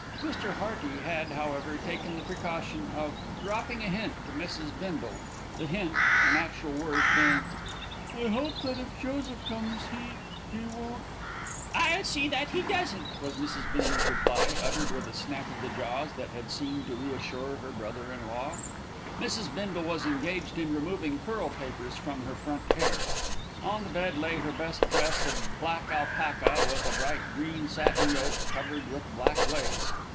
Mr. Hearty had, however, taken the precaution of "dropping a hint" to Mrs. Bindle, the "hint" in actual words being: "I hope that if Joseph comes he he won't " "I'll see that he doesn't," was Mrs. Bindle's reply, uttered with a snap of the jaws that had seemed to reassure her brother in law. II Mrs. Bindle was engaged in removing curl papers from her front hair. On the bed lay her best dress of black alpaca with a bright green satin yoke covered with black lace.